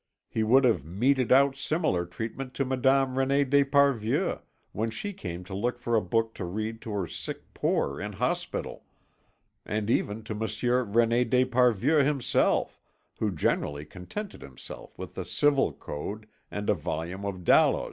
He would have meted out similar treatment to Madame René d'Esparvieu, when she came to look for a book to read to her sick poor in hospital, and even to Monsieur René d'Esparvieu himself, who generally contented himself with the Civil Code and a volume of Dalloz.